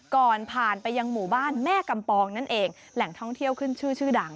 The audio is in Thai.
ก่อนผ่านไปยังหมู่บ้านแม่กำปองนั่นเองแหล่งท่องเที่ยวขึ้นชื่อชื่อดัง